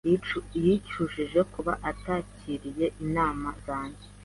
Yicujije kuba atakiriye inama zanjye.